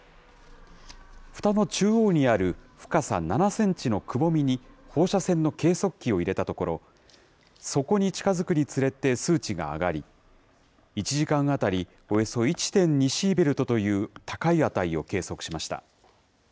ふたの中央にある深さ７センチのくぼみに放射線の計測器を入れたところ、底に近づくにつれて数値が上がり、１時間当たりおよそ１．２シーベルトという高い値を計測しました。